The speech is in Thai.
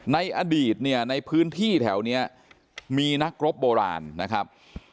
ในอดีตเนี่ยในพื้นที่แถวนี้มีนักรบโบราณนะครับ